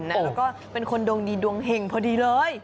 แล้วก็เป็นคนดวงดีดวงเห็งพอดีเลย